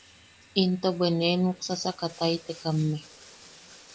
Into bwe ne nuksasakataitekamme.